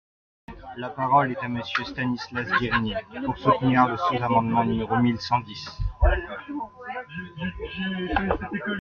La parole est à Monsieur Stanislas Guerini, pour soutenir le sous-amendement numéro mille cent dix.